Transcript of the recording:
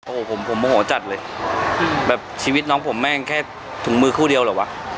โอ้โหผมผมโมโหจัดเลยแบบชีวิตน้องผมแม่งแค่ถุงมือคู่เดียวเหรอวะ